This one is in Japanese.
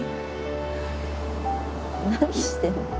何してんの？